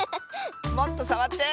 もっとさわって！